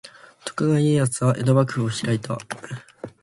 徳川家康は江戸幕府を開いた。